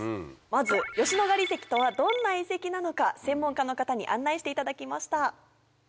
まず吉野ヶ里遺跡とはどんな遺跡なのか専門家の方に案内していただきました。